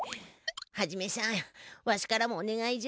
ハジメさんわしからもおねがいじゃ。